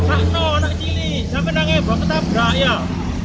masih tidak ada anak kecil sampai nangis saya akan menangis